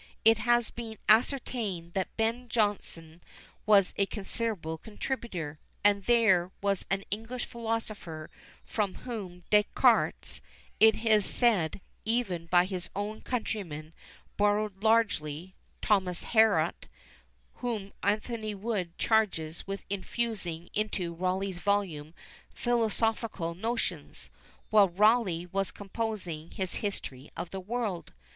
It has been ascertained that Ben Jonson was a considerable contributor; and there was an English philosopher from whom Descartes, it is said even by his own countrymen, borrowed largely Thomas Hariot, whom Anthony Wood charges with infusing into Rawleigh's volume philosophical notions, while Rawleigh was composing his History of the World.